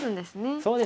そうです！